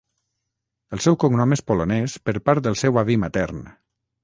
El seu cognom és polonès per part del seu avi matern.